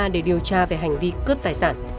để điều tra về hành vi cướp tài sản